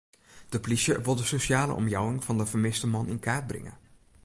De plysje wol de sosjale omjouwing fan de fermiste man yn kaart bringe.